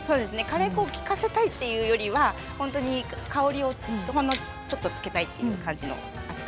カレー粉を利かせたいっていうよりはほんとに香りをほんのちょっとつけたいっていう感じの扱いですね。